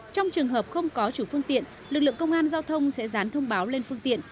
trong trường hợp không có chủ phương tiện lực lượng công an giao thông sẽ rán thông báo lên phương tiện